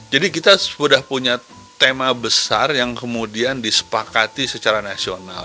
jadi kita sudah punya tema besar yang kemudian disepakati secara nasional